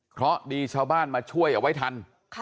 เพราะดีชาวบ้านมาช่วยเอาไว้ทัน